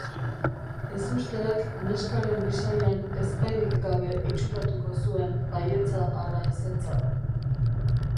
Ezusteak neskaren bisaian ezpairik gabe itxuratuko zuen baietza ala ezetza.